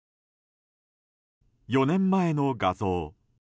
４年前の画像。